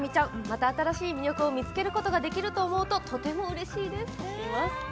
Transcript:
また新しい魅力を見つけることができると思うとうれしい。